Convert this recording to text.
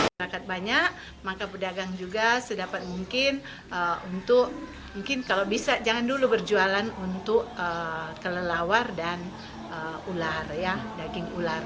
masyarakat banyak maka pedagang juga sedapat mungkin untuk mungkin kalau bisa jangan dulu berjualan untuk kelelawar dan ular daging ular